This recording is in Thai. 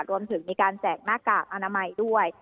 รวมถึงมีการแจกหน้ากากอนามัยด้วย